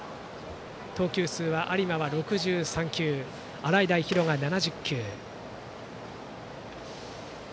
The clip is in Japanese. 投球数は有馬は６３球洗平比呂が７０球。